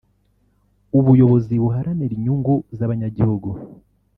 ubuyobozi buharanira inyungu z’abanyagihugu